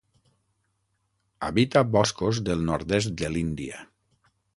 Habita boscos del nord-est de l'Índia.